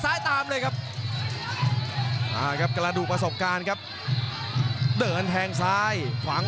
อินตราชัยรุ่นน้อง